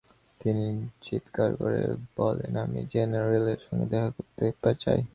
তিনি চিৎকার করে বলেন আমি জেনারেলের সঙ্গে দেখা করতে চাই।